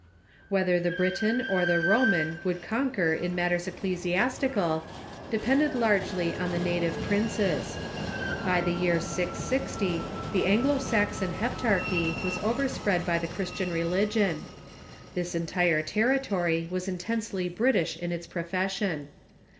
• Whether the Briton or the Roman would conquer in mat ters ecclesiastical depended largely on the native princes. By the year 660 the Anglo Saxon Heptarchy was Vi ^°Tus <^^'6^si3read by the Christian religion. This entire ter ritory was intensely British in its profession.